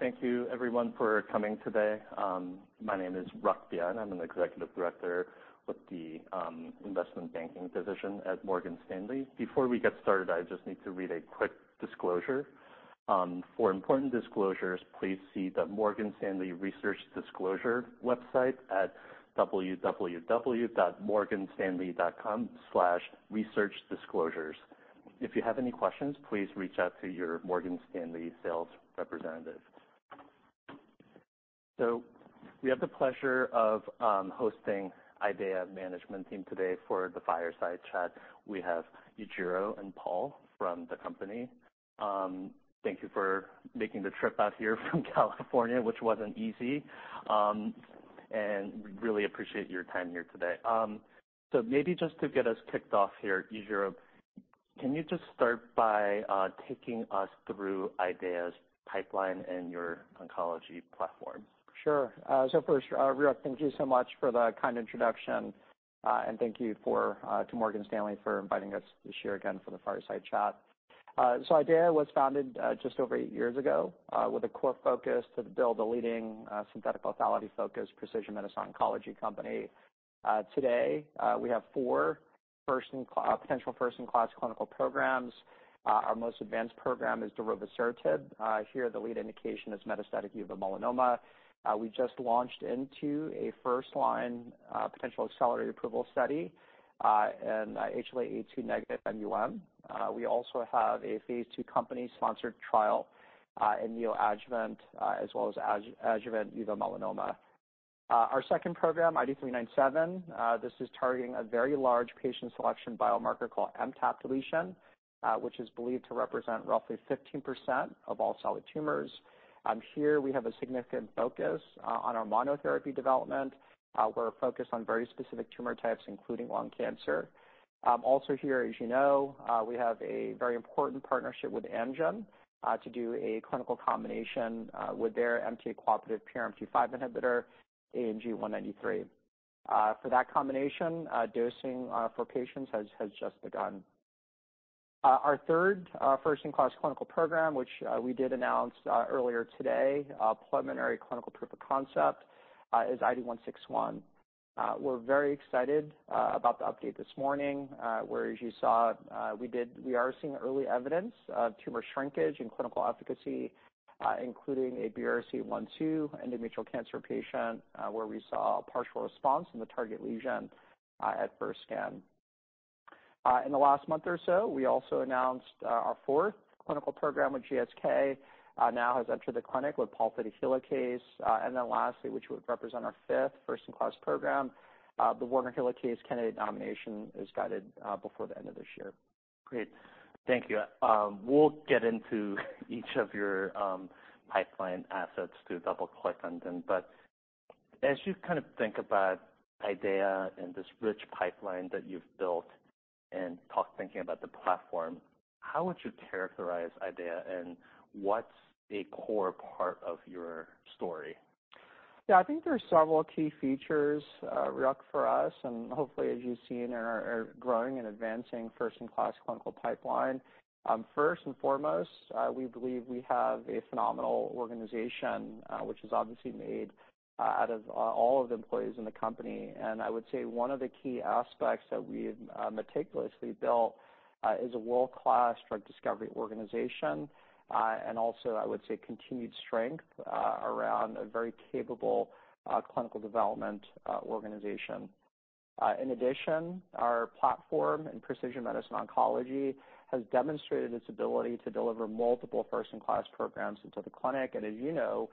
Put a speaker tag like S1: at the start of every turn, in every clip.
S1: Thank you everyone for coming today. My name is Ruk Pyatt. I'm an executive director with the investment banking division at Morgan Stanley. Before we get started, I just need to read a quick disclosure. "For important disclosures, please see the Morgan Stanley Research Disclosure website at www.morganstanley.com/researchdisclosures. If you have any questions, please reach out to your Morgan Stanley sales representative." We have the pleasure of hosting IDEAYA's management team today for the Fireside Chat. We have Yujiro and Paul from the company. Thank you for making the trip out here from California, which wasn't easy. We really appreciate your time here today. Maybe just to get us kicked off here, Yujiro, can you just start by taking us through IDEAYA's pipeline and your oncology platform?
S2: Sure. So first, Ruk, thank you so much for the kind introduction, and thank you to Morgan Stanley for inviting us this year again for the Fireside Chat. So IDEAYA was founded just over eight years ago, with a core focus to build a leading synthetic lethality-focused precision medicine oncology company. Today, we have four potential first-in-class clinical programs. Our most advanced program is Darovasertib. Here, the lead indication is metastatic uveal melanoma. We just launched into a first-line potential accelerated approval study in HLA-A*02 negative MUM. We also have a phase II company-sponsored trial in neoadjuvant as well as adjuvant uveal melanoma. Our second program, IDE397, this is targeting a very large patient selection biomarker called MTAP deletion, which is believed to represent roughly 15% of all solid tumors. Here, we have a significant focus on our monotherapy development. We're focused on very specific tumor types, including lung cancer. Also here, as you know, we have a very important partnership with Amgen, to do a clinical combination, with their MTA-cooperative PRMT5 inhibitor, AMG 193. For that combination, dosing for patients has just begun. Our third, first-in-class clinical program, which we did announce earlier today, preliminary clinical proof of concept, is IDE161. We're very excited, about the update this morning, where, as you saw, we did... We are seeing early evidence of tumor shrinkage and clinical efficacy, including a BRCA1/2 endometrial cancer patient, where we saw a partial response in the target lesion, at first scan. In the last month or so, we also announced, our fourth clinical program with GSK, now has entered the clinic with Pol Theta. And then lastly, which would represent our fifth first-in-class program, the Werner Helicase candidate nomination is on track, before the end of this year.
S1: Great. Thank you. We'll get into each of your pipeline assets to double-click on them. But as you kind of think about IDEAYA and this rich pipeline that you've built, and talk thinking about the platform, how would you characterize IDEAYA, and what's a core part of your story?
S2: Yeah, I think there are several key features, Ruk, for us, and hopefully, as you've seen, are growing and advancing first-in-class clinical pipeline. First and foremost, we believe we have a phenomenal organization, which is obviously made out of all of the employees in the company. And I would say one of the key aspects that we've meticulously built is a world-class drug discovery organization, and also, I would say, continued strength around a very capable clinical development organization. In addition, our platform in precision medicine oncology has demonstrated its ability to deliver multiple first-in-class programs into the clinic. And as you know,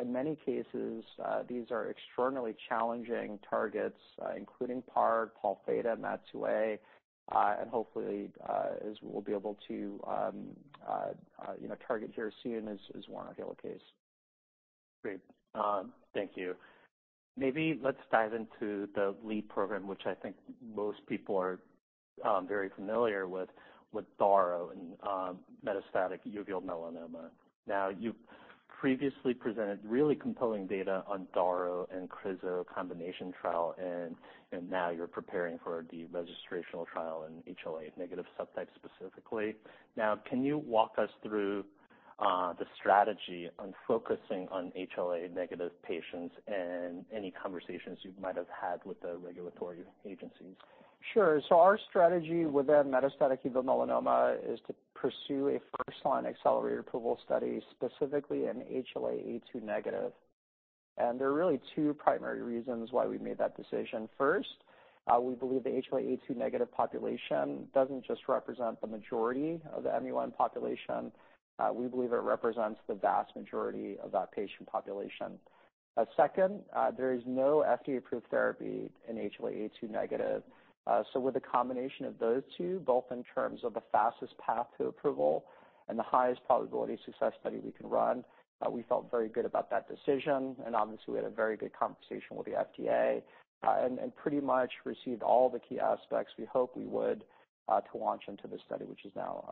S2: in many cases, these are extraordinarily challenging targets, including PARP, Pol Theta, MAT2A, and hopefully, as we'll be able to, you know, target here soon is Werner Helicase.
S1: Great. Thank you. Maybe let's dive into the lead program, which I think most people are very familiar with, with DARO and metastatic uveal melanoma. Now, you've previously presented really compelling data on DARO and Crizo combination trial, and now you're preparing for the registrational trial in HLA-negative subtype specifically. Now, can you walk us through the strategy on focusing on HLA-negative patients and any conversations you might have had with the regulatory agencies?
S2: Sure. So our strategy within metastatic uveal melanoma is to pursue a first-line accelerated approval study, specifically in HLA-A*02 negative. And there are really two primary reasons why we made that decision. First, we believe the HLA-A*02 negative population doesn't just represent the majority of the UM population, we believe it represents the vast majority of that patient population. Second, there is no FDA-approved therapy in HLA-A*02 negative. So with a combination of those two, both in terms of the fastest path to approval and the highest probability of success study we can run, we felt very good about that decision, and obviously, we had a very good conversation with the FDA, and pretty much received all the key aspects we hoped we would, to launch into this study, which has now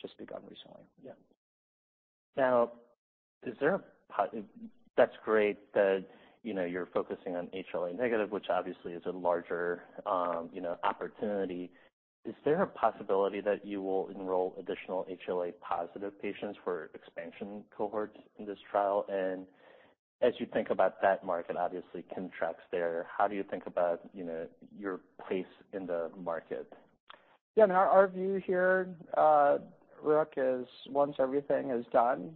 S2: just begun recently.
S1: Yeah. That's great that, you know, you're focusing on HLA-negative, which obviously is a larger, you know, opportunity. Is there a possibility that you will enroll additional HLA-positive patients for expansion cohorts in this trial? And as you think about that market, obviously, contenders there, how do you think about, you know, your place in the market?
S2: Yeah, our view here, Ruk, is once everything is done,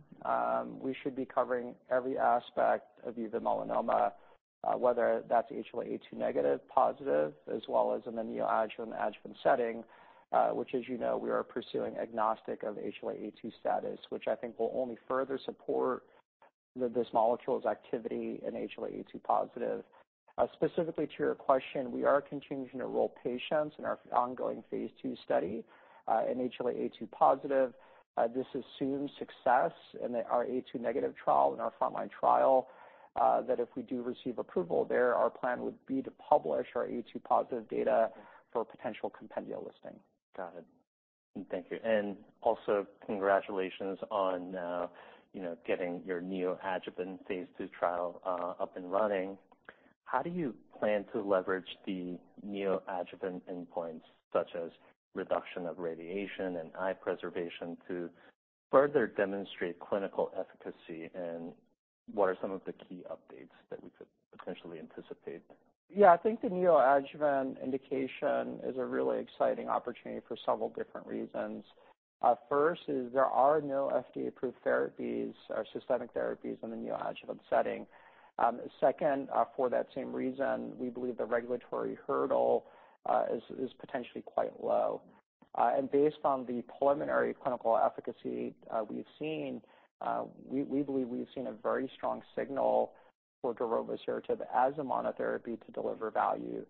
S2: we should be covering every aspect of uveal melanoma, whether that's HLA-A*02 negative, positive, as well as in the neoadjuvant-adjuvant setting, which, as you know, we are pursuing agnostic of HLA-A*02 status, which I think will only further support this molecule's activity in HLA-A*02 positive. Specifically to your question, we are continuing to enroll patients in our ongoing phase II study, in HLA-A*02 positive. This assumes success in our A*02 negative trial, in our frontline trial, that if we do receive approval there, our plan would be to publish our A*02 positive data for potential compendial listing.
S1: Got it. Thank you. And also, congratulations on, you know, getting your neoadjuvant phase II trial up and running. How do you plan to leverage the neoadjuvant endpoints, such as reduction of radiation and eye preservation, to further demonstrate clinical efficacy? And what are some of the key updates that we could potentially anticipate?
S2: Yeah, I think the neoadjuvant indication is a really exciting opportunity for several different reasons. First is there are no FDA-approved therapies or systemic therapies in the neoadjuvant setting. Second, for that same reason, we believe the regulatory hurdle is potentially quite low. And based on the preliminary clinical efficacy we've seen, we believe we've seen a very strong signal for Darovasertib as a monotherapy to deliver value.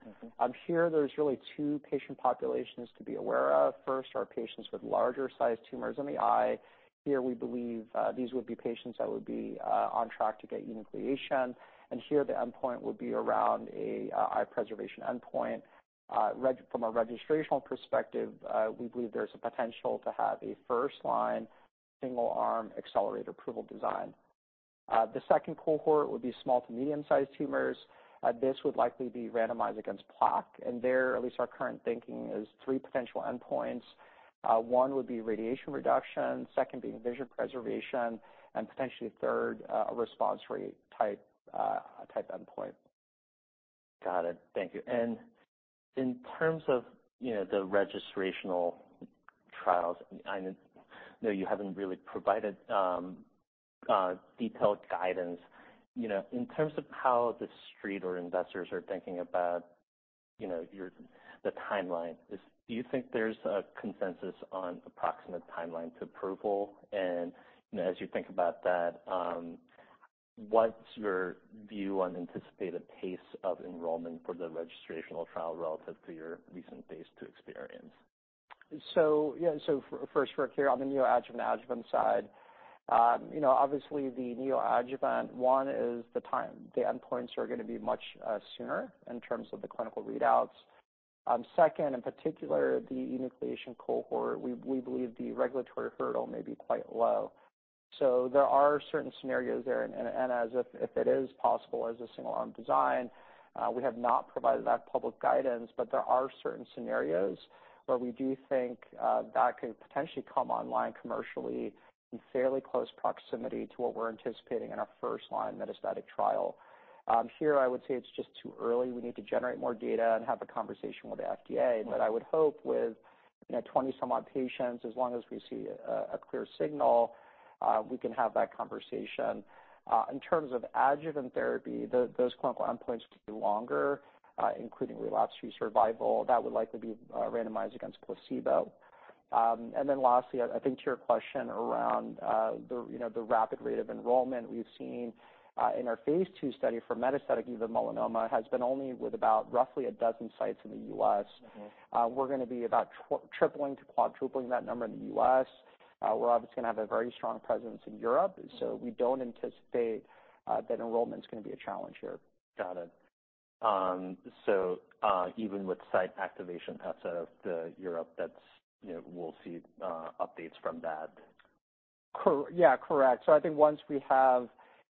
S2: Here, there's really two patient populations to be aware of. First, are patients with larger-sized tumors in the eye. Here we believe, these would be patients that would be, on track to get enucleation, and here the endpoint would be around a, eye preservation endpoint. From a registrational perspective, we believe there's a potential to have a first-line, single-arm accelerated approval design. The second cohort would be small to medium-sized tumors. This would likely be randomized against plaque, and there, at least our current thinking, is three potential endpoints. One would be radiation reduction, second being vision preservation, and potentially a third, response rate type, type endpoint.
S1: Got it. Thank you. And in terms of, you know, the registrational trials, I know you haven't really provided detailed guidance, you know, in terms of how the street or investors are thinking about, you know, the timeline, do you think there's a consensus on approximate timeline to approval? And, you know, as you think about that, what's your view on anticipated pace of enrollment for the registrational trial relative to your recent phase II experience?
S2: So yeah, first, Ruk, here, on the neoadjuvant/adjuvant side, you know, obviously, the neoadjuvant one is the time. The endpoints are gonna be much sooner in terms of the clinical readouts. Second, in particular, the enucleation cohort, we believe the regulatory hurdle may be quite low. So there are certain scenarios there, and if it is possible as a single-arm design, we have not provided that public guidance, but there are certain scenarios where we do think that could potentially come online commercially in fairly close proximity to what we're anticipating in our first-line metastatic trial. Here, I would say it's just too early. We need to generate more data and have a conversation with the FDA. But I would hope with, you know, 20-some-odd patients, as long as we see a clear signal, we can have that conversation. In terms of adjuvant therapy, those clinical endpoints could be longer, including relapse-free survival, that would likely be randomized against placebo. And then lastly, I think to your question around the, you know, the rapid rate of enrollment we've seen in our phase II study for metastatic uveal melanoma has been only with about roughly 12 sites in the U.S. We're gonna be about tripling to quadrupling that number in the US. We're obviously gonna have a very strong presence in Europe. So we don't anticipate that enrollment's gonna be a challenge here.
S1: Got it. So, even with site activation outside of Europe, that's, you know, we'll see updates from that?
S2: Yeah, correct. So I think once we have, you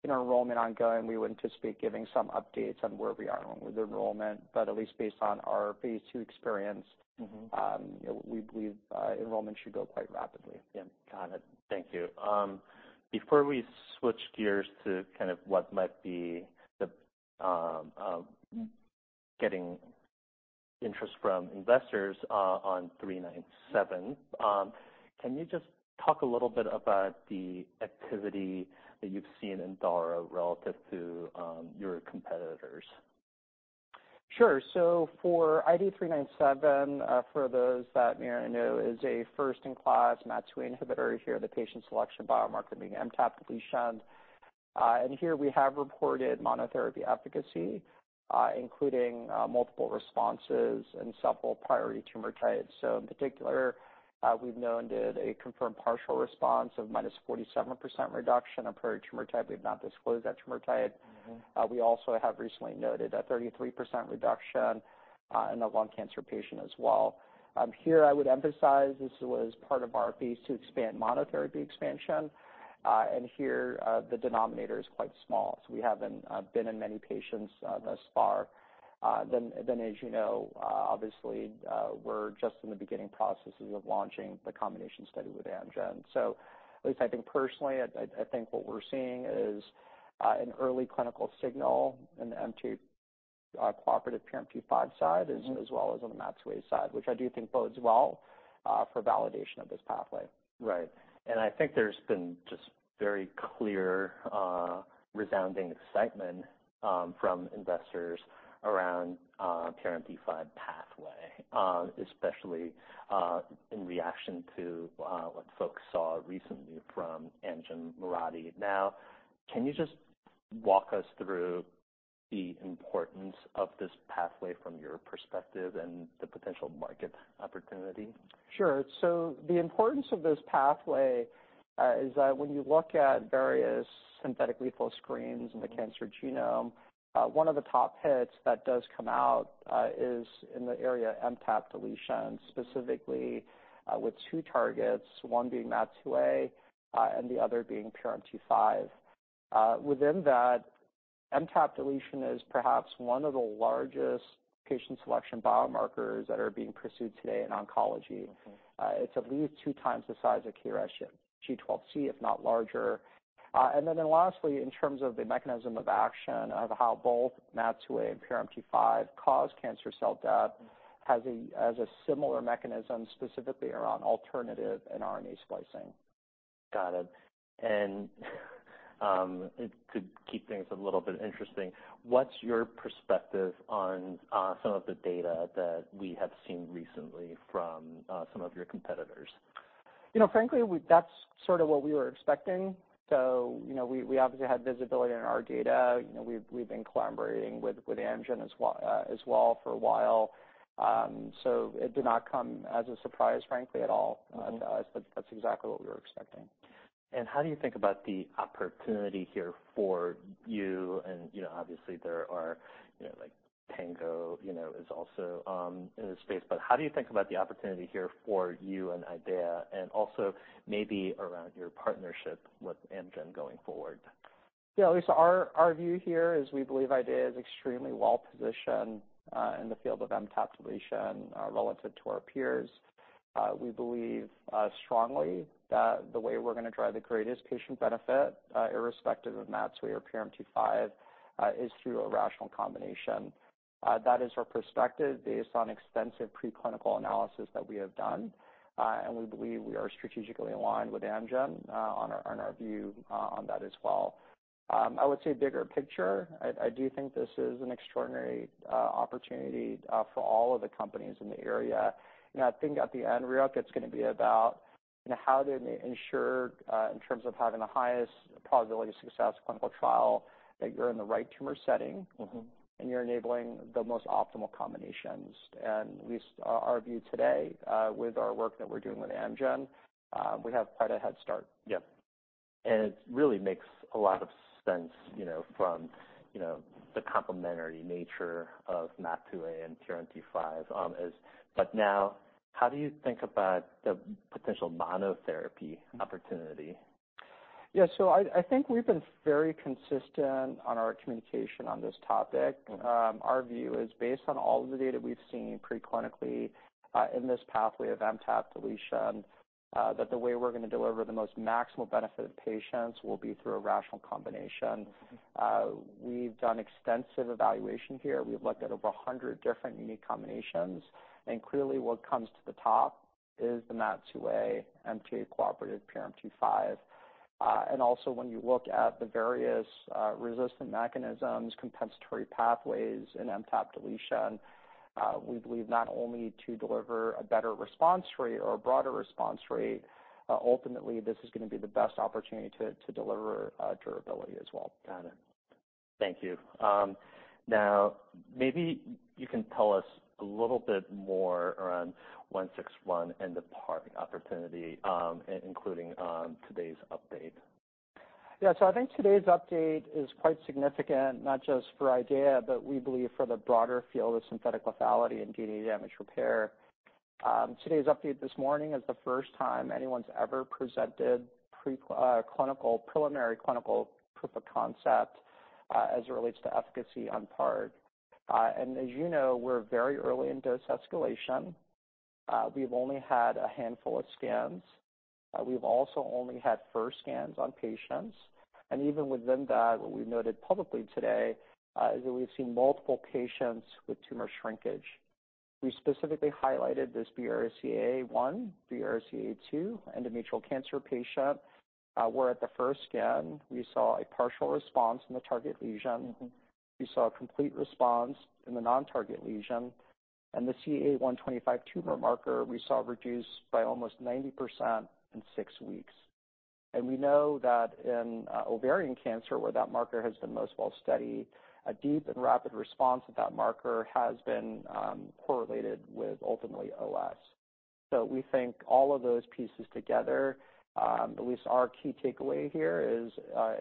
S2: know, enrollment ongoing, we would anticipate giving some updates on where we are on with enrollment, but at least based on our phase II experience you know, we believe, enrollment should go quite rapidly.
S1: Yeah. Got it. Thank you. Before we switch gears to kind of what might be the getting interest from investors on 397, can you just talk a little bit about the activity that you've seen in dara relative to your competitors?
S2: Sure. So for IDE397, for those that may or may not know, is a first-in-class NOTCH2 inhibitor. Here, the patient selection biomarker being MTAP deletion. And here we have reported monotherapy efficacy, including multiple responses in several priority tumor types. So in particular, we've noted a confirmed partial response of -47% reduction of priority tumor type. We've not disclosed that tumor type. We also have recently noted a 33% reduction in a lung cancer patient as well. Here I would emphasize this was part of our phase II expansion monotherapy expansion, and here, the denominator is quite small, so we haven't been in many patients thus far. Then as you know, obviously, we're just in the beginning processes of launching the combination study with Amgen. So at least I think personally, I think what we're seeing is an early clinical signal in the MTA-cooperative PRMT5 side as well as on the MAT2A side, which I do think bodes well for validation of this pathway.
S1: Right. And I think there's been just very clear, resounding excitement from investors around PRMT5 pathway, especially in reaction to what folks saw recently from Amgen, Mirati. Now, can you just walk us through the importance of this pathway from your perspective and the potential market opportunity?
S2: Sure. So the importance of this pathway is that when you look at various synthetic lethal screens in the cancer genome, one of the top hits that does come out is in the area MTAP deletion, specifically, with two targets, one being MAT2A, and the other being PRMT5. Within that, MTAP deletion is perhaps one of the largest patient selection biomarkers that are being pursued today in oncology. It's at least 2 times the size of KRAS G12C, if not larger. And then lastly, in terms of the mechanism of action of how both MAT2A and PRMT5 cause cancer cell death, has a similar mechanism, specifically around alternative and RNA splicing.
S1: Got it. And, to keep things a little bit interesting, what's your perspective on some of the data that we have seen recently from some of your competitors?
S2: You know, frankly, that's sort of what we were expecting. So, you know, we obviously had visibility in our data. You know, we've been collaborating with Amgen as well for a while. So it did not come as a surprise, frankly, at all to us. But that's exactly what we were expecting.
S1: And how do you think about the opportunity here for you? And, you know, obviously there are, you know, like Tango, you know, is also, in the space. But how do you think about the opportunity here for you and IDEAYA, and also maybe around your partnership with Amgen going forward?
S2: Yeah, at least our, our view here is we believe IDEAYA is extremely well-positioned, in the field of MTAP deletion, relative to our peers. We believe, strongly that the way we're gonna drive the greatest patient benefit, irrespective of MAT2A or PRMT5, is through a rational combination. That is our perspective based on extensive preclinical analysis that we have done, and we believe we are strategically aligned with Amgen, on our, on our view, on that as well. I would say bigger picture, I, I do think this is an extraordinary, opportunity, for all of the companies in the area. You know, I think at the end, Ruk, it's gonna be about, you know, how do they ensure, in terms of having the highest probability of success clinical trial, that you're in the right tumor setting and you're enabling the most optimal combinations. And at least our, our view today, with our work that we're doing with Amgen, we have quite a head start.
S1: Yep. And it really makes a lot of sense, you know, from the complementary nature of MAT2A and PRMT5. But now, how do you think about the potential monotherapy opportunity?
S2: Yeah. So I think we've been very consistent on our communication on this topic. Our view is, based on all of the data we've seen preclinically, in this pathway of MTAP deletion, that the way we're gonna deliver the most maximal benefit to patients will be through a rational combination. We've done extensive evaluation here. We've looked at over 100 different unique combinations, and clearly what comes to the top is the MAT2A, MTA-cooperative PRMT5. And also when you look at the various resistant mechanisms, compensatory pathways in MTAP deletion, we believe not only to deliver a better response rate or a broader response rate, ultimately, this is gonna be the best opportunity to deliver durability as well.
S1: Got it. Thank you. Now, maybe you can tell us a little bit more around 161 and the PARP opportunity, including today's update.
S2: Yeah. So I think today's update is quite significant, not just for IDEAYA, but we believe for the broader field of synthetic lethality and DNA damage repair. Today's update this morning is the first time anyone's ever presented preliminary clinical proof of concept as it relates to efficacy on PARP. And as you know, we're very early in dose escalation. We've only had a handful of scans. We've also only had first scans on patients, and even within that, what we've noted publicly today is that we've seen multiple patients with tumor shrinkage. We specifically highlighted this BRCA1, BRCA2 endometrial cancer patient, where at the first scan, we saw a partial response in the target lesion. We saw a complete response in the non-target lesion, and the CA125 tumor marker, we saw reduced by almost 90% in six weeks. And we know that in ovarian cancer, where that marker has been most well studied, a deep and rapid response of that marker has been correlated with ultimately OS. So we think all of those pieces together, at least our key takeaway here is,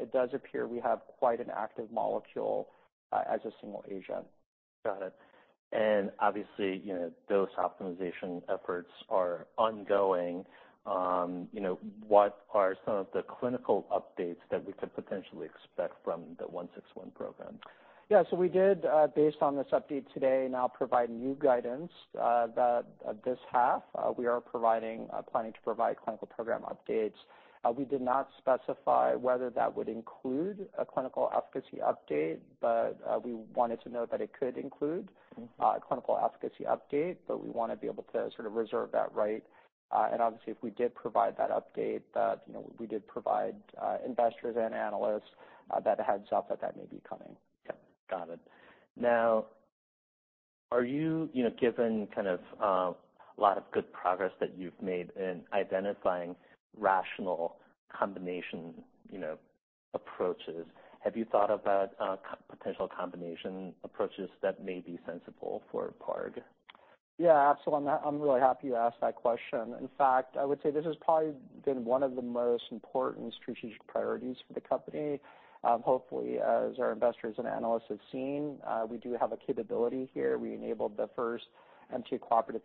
S2: it does appear we have quite an active molecule, as a single agent.
S1: Got it. Obviously, you know, those optimization efforts are ongoing. You know, what are some of the clinical updates that we could potentially expect from the IDE161 program?
S2: Yeah, so we did, based on this update today, now provide new guidance that this half we are providing—planning to provide clinical program updates. We did not specify whether that would include a clinical efficacy update, but we wanted to note that it could include a clinical efficacy update, but we want to be able to sort of reserve that right. And obviously, if we did provide that update, you know, we did provide investors and analysts a heads up that that may be coming.
S1: Yep, got it. Now, are you, you know, given kind of a lot of good progress that you've made in identifying rational combination, you know, approaches, have you thought about potential combination approaches that may be sensible for PARP?
S2: Yeah, absolutely. I'm, I'm really happy you asked that question. In fact, I would say this has probably been one of the most important strategic priorities for the company. Hopefully, as our investors and analysts have seen, we do have a capability here. We enabled the first MTA-cooperative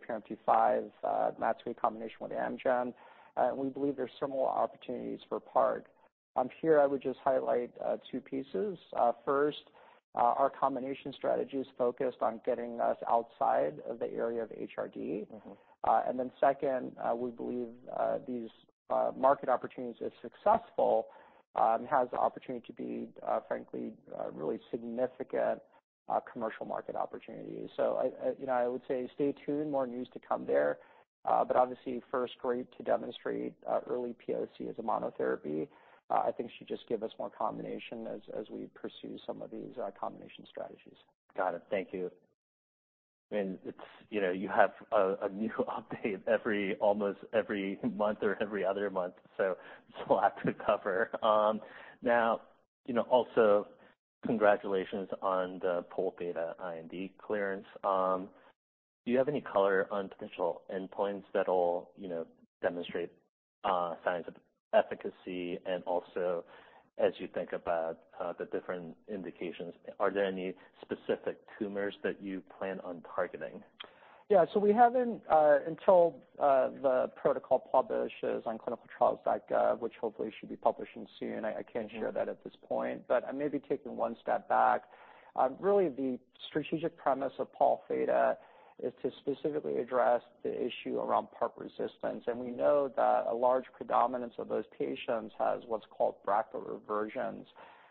S2: PRMT5 inhibitor matched with a combination with Amgen, and we believe there's similar opportunities for PARP. Here I would just highlight two pieces. First, our combination strategy is focused on getting us outside of the area of HRD. And then second, we believe these market opportunities is successful has the opportunity to be frankly really significant commercial market opportunities. So I, I you know I would say stay tuned, more news to come there. But obviously, first great to demonstrate early POC as a monotherapy, I think should just give us more combination as we pursue some of these combination strategies.
S1: Got it. Thank you. And it's, you know, you have a new update every, almost every month or every other month, so there's a lot to cover. Now, you know, also congratulations on the Pol Theta IND clearance. Do you have any color on potential endpoints that'll, you know, demonstrate signs of efficacy? And also, as you think about the different indications, are there any specific tumors that you plan on targeting?
S2: Yeah. So we haven't until the protocol publishes on ClinicalTrials.gov, which hopefully should be publishing soon. I can't share that at this point, but I may be taking one step back. Really, the strategic premise of Pol Theta is to specifically address the issue around PARP resistance, and we know that a large predominance of those patients has what's called BRCA reversions,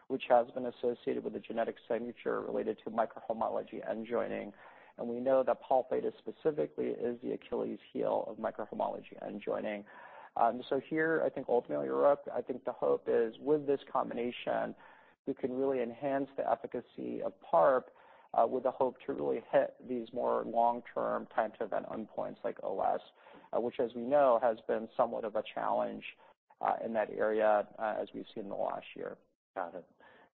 S2: which has been associated with a genetic signature related to microhomology end joining. And we know that Pol Theta specifically is the Achilles heel of microhomology end joining. So here, I think ultimately, Ruk, I think the hope is with this combination we can really enhance the efficacy of PARP with the hope to really hit these more long-term time to event endpoints like OS, which, as we know, has been somewhat of a challenge in that area, as we've seen in the last year.
S1: Got it.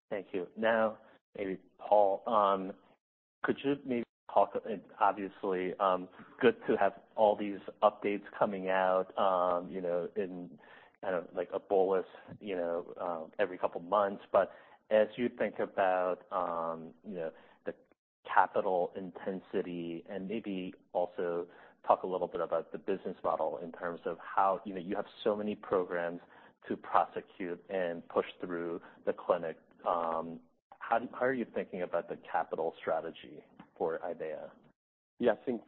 S1: Thank you. Now, maybe, Paul, could you maybe talk... Obviously, good to have all these updates coming out, you know, in kind of like a bolus, you know, every couple of months. But as you think about, you know, the capital intensity and maybe also talk a little bit about the business model in terms of how, you know, you have so many programs to prosecute and push through the clinic, how, how are you thinking about the capital strategy for IDEAYA?
S3: Yeah, I think,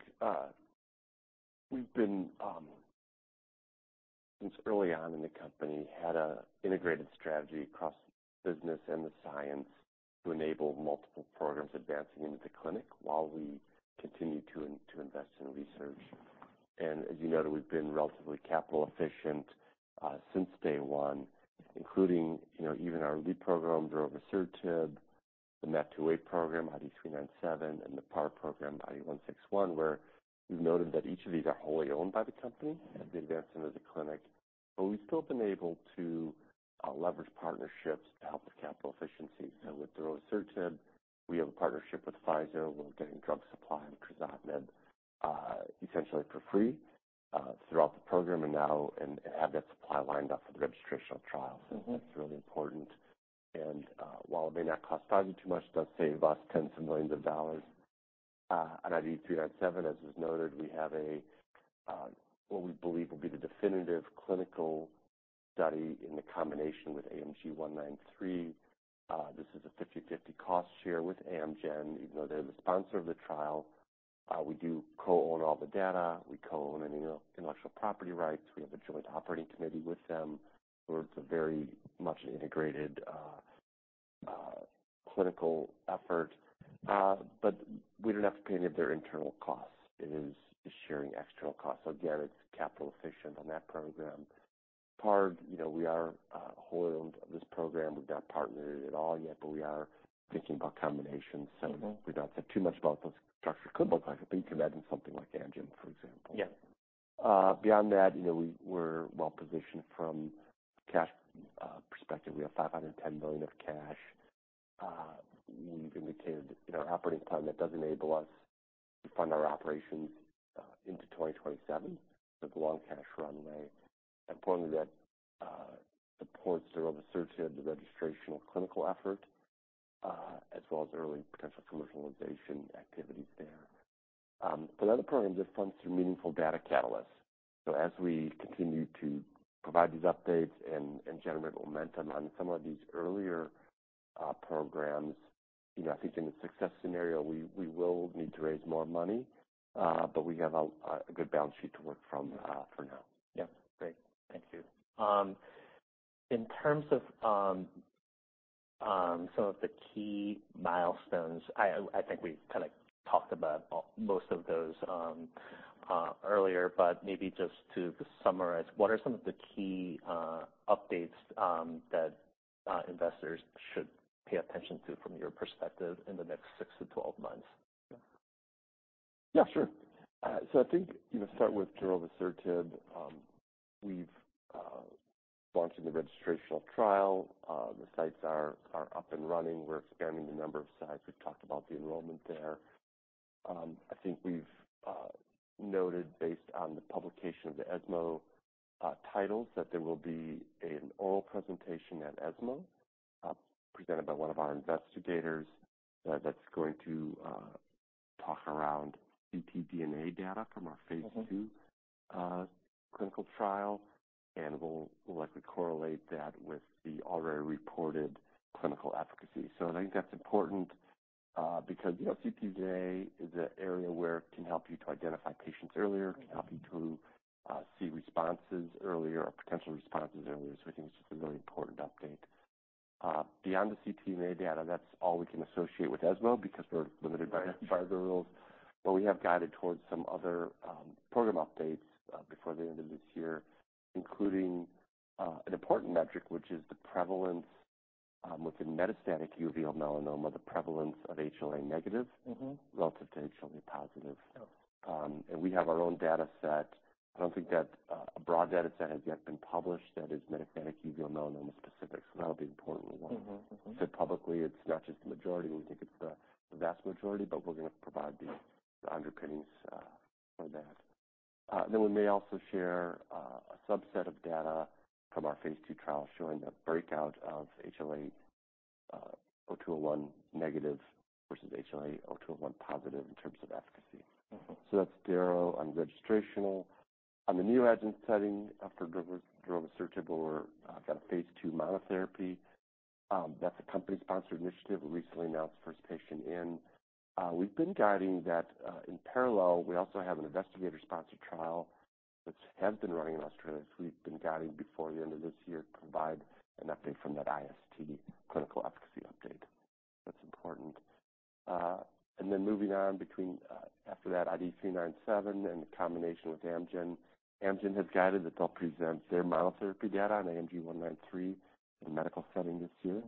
S3: we've been, since early on in the company, had an integrated strategy across the business and the science to enable multiple programs advancing into the clinic while we continue to into invest in research. And as you know, we've been relatively capital efficient, since day one, including, you know, even our lead program, Darovasertib, the MTAP-deletion program, IDE397, and the PARP program, IDE161, where we've noted that each of these are wholly owned by the company as they advance into the clinic. But we've still been able to, leverage partnerships to help with capital efficiency. So with Darovasertib, we have a partnership with Pfizer. We're getting drug supply, crizotinib, essentially for free, throughout the program and now, and, and have that supply lined up for the registrational trial. So that's really important. And, while it may not cost Pfizer too much, it does save us tens of millions of dollars. On IDE397, as was noted, we have a what we believe will be the definitive clinical study in the combination with AMG 193. This is a 50/50 cost share with Amgen. Even though they're the sponsor of the trial, we do co-own all the data. We co-own any intellectual property rights. We have a joint operating committee with them, so it's a very much integrated clinical effort. But we don't have to pay any of their internal costs. It is just sharing external costs. So again, it's capital efficient on that program. PARG, you know, we are holding this program. We've not partnered it at all yet, but we are thinking about combinations. We've not said too much about what the structure could look like, but you can add in something like Amgen, for example.
S1: Yeah.
S3: Beyond that, you know, we're well positioned from cash perspective. We have $510 million of cash. We've indicated in our operating plan, that does enable us to fund our operations into 2027, with a long cash runway. Importantly, that supports the Darovasertib registrational clinical effort, as well as early potential commercialization activities there. For other programs, it funds through meaningful data catalysts. So as we continue to provide these updates and generate momentum on some of these earlier programs, you know, I think in the success scenario, we will need to raise more money, but we have a good balance sheet to work from for now.
S1: Yeah. Great. Thank you. In terms of some of the key milestones, I think we kind of talked about all most of those earlier, but maybe just to summarize, what are some of the key updates that investors should pay attention to from your perspective in the next six to 12 months?
S3: Yeah, sure. So I think, you know, start with Darovasertib. We've launched in the registrational trial. The sites are up and running. We're expanding the number of sites. We've talked about the enrollment there. I think we've noted, based on the publication of the ESMO titles, that there will be an oral presentation at ESMO, presented by one of our investigators, that's going to talk around ctDNA data from our phase II clinical trial, and we'll likely correlate that with the already reported clinical efficacy. So I think that's important, because, you know, ctDNA is an area where it can help you to identify patients earlier, it can help you to see responses earlier or potential responses earlier. So I think it's just a really important update. Beyond the ctDNA data, that's all we can associate with ESMO because we're limited by the rules. But we have guided towards some other program updates before the end of this year, including an important metric, which is the prevalence within metastatic uveal melanoma, the prevalence of HLA-negative relative to HLA positive. We have our own data set. I don't think that a broad data set has yet been published that is metastatic uveal melanoma specific, so that'll be an important one. So publicly, it's not just the majority, we think it's the, the vast majority, but we're going to provide the underpinnings, for that. Then we may also share, a subset of data from our phase II trial, showing a breakout of HLA-A*02:01 negative versus HLA-A*02:01 positive in terms of efficacy. So that's daro on registrational. On the neoadjuvant setting for Darovasertib, kind of phase II monotherapy, that's a company-sponsored initiative. We recently announced first patient in. We've been guiding that, in parallel. We also have an investigator-sponsored trial, which has been running in Australia. So we've been guiding before the end of this year, to provide an update from that IST clinical efficacy update. That's important. And then moving on between, after that, IDE397 and the combination with Amgen. Amgen has guided that they'll present their monotherapy data on AMG 193 in a medical setting this year.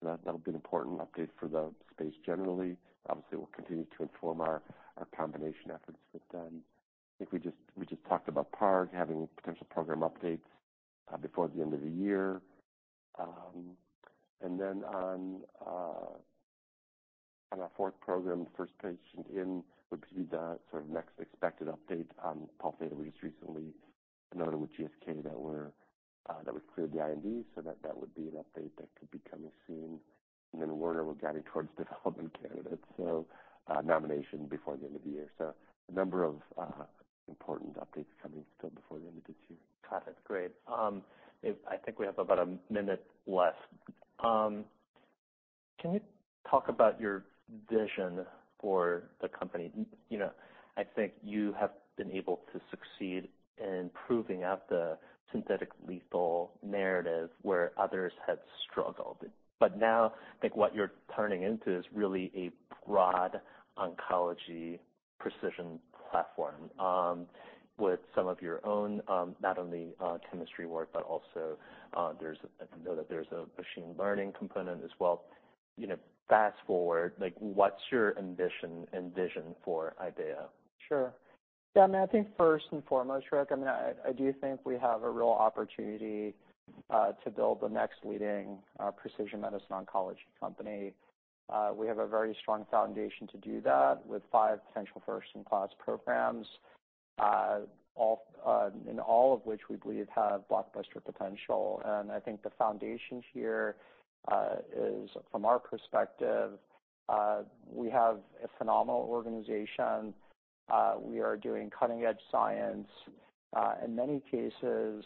S3: So that, that'll be an important update for the space generally. Obviously, we'll continue to inform our, our combination efforts with them. I think we just, we just talked about PARG having potential program updates before the end of the year. And then on, on our fourth program, first patient in, would be the sort of next expected update on Pol Theta data. We just recently announced with GSK that we're, that we cleared the IND, so that, that would be an update that could be coming soon. And then Werner, we're guiding towards development candidates, so, nomination before the end of the year. So a number of important updates coming still before the end of this year.
S1: Got it. Great. I think we have about a minute left. Can you talk about your vision for the company? You know, I think you have been able to succeed in proving out the synthetic lethal narrative where others had struggled. But now, I think what you're turning into is really a broad oncology precision platform, with some of your own, not only, chemistry work, but also, there's... I know that there's a machine learning component as well. You know, fast forward, like, what's your ambition and vision for IDEAYA?
S3: Sure. Yeah, I mean, I think first and foremost, Ruk, I mean, I do think we have a real opportunity to build the next leading precision medicine oncology company. We have a very strong foundation to do that with five potential first-in-class programs, all of which we believe have blockbuster potential. I think the foundation here is, from our perspective, we have a phenomenal organization. We are doing cutting-edge science. In many cases,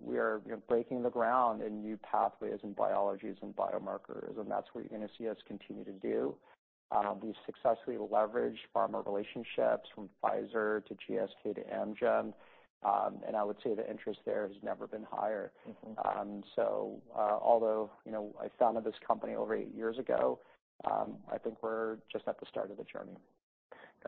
S3: we are, you know, breaking the ground in new pathways and biologies and biomarkers, and that's what you're going to see us continue to do. We successfully leverage pharma relationships, from Pfizer to GSK to Amgen, and I would say the interest there has never been higher. Although you know, I founded this company over eight years ago, I think we're just at the start of the journey.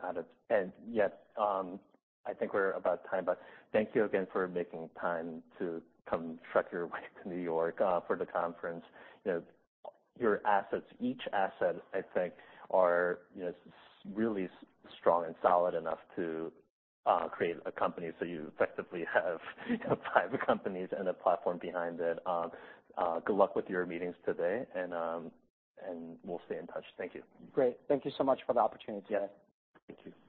S1: Got it. And, yeah, I think we're about time, but thank you again for making time to come trek your way to New York, for the conference. You know, your assets, each asset, I think, are, you know, really strong and solid enough to, create a company. So you effectively have, you know, five companies and a platform behind it. Good luck with your meetings today, and, and we'll stay in touch. Thank you.
S3: Great. Thank you so much for the opportunity today.
S1: Yeah. Thank you.